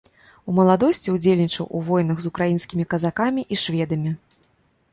У маладосці удзельнічаў у войнах з украінскімі казакамі і шведамі.